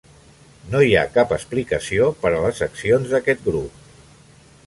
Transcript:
No hi ha cap explicació per a les accions d'aquest grup.